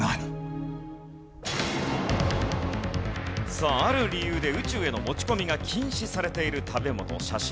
さあある理由で宇宙への持ち込みが禁止されている食べ物の写真。